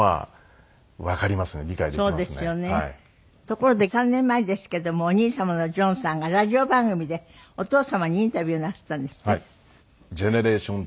ところで３年前ですけどもお兄様のジョンさんがラジオ番組でお父様にインタビューなすったんですって？